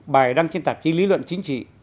bài đăng trên tạp chí lý luận chính trị